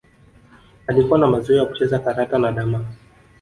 Alikuwa na mazoea ya kucheza karata na damma